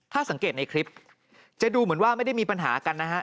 ถ้าสังเกตในคลิปจะดูเหมือนว่าไม่ได้มีปัญหากันนะฮะ